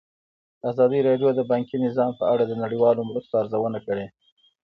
ازادي راډیو د بانکي نظام په اړه د نړیوالو مرستو ارزونه کړې.